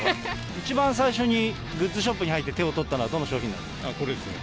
一番最初にグッズショップに入って手に取ったのはどの商品なんでこれですね。